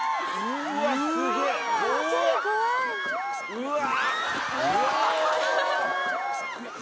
・うわ！